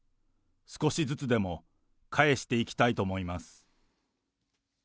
少しずつでも返していきたいと思います。